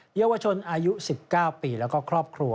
เยาวชนอายุ๑๙ปีแล้วก็ครอบครัว